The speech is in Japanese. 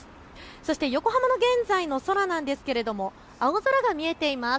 そして横浜の現在の空なんですが青空が見えています。